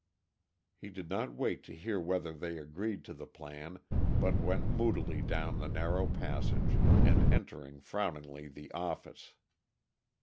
He did not wait to hear whether they agreed to the plan, but went moodily down the narrow passage, and entered frowningly the "office."